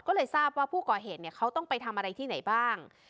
ก็เลยทราบว่าผู้ก่อเหตุเขาต้องไปทำอะไรที่ไหนบ้าง